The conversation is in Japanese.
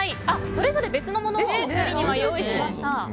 それぞれ別のものを用意しました。